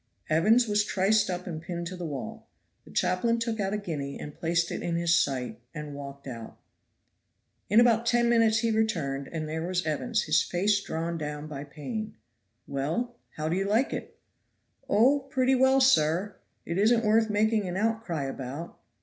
Evans was triced up and pinned to the wall; the chaplain took out a guinea and placed it in his sight, and walked out. In about ten minutes he returned, and there was Evans, his face drawn down by pain. "Well, how do you like it?" "Oh! pretty well, sir; it isn't worth making an outcry about."